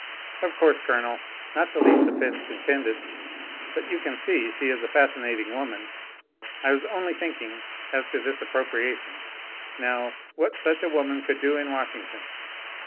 "Of course, Colonel. Not the least offense intended. But you can see she is a fascinating woman. I was only thinking, as to this appropriation, now, what such a woman could do in Washington.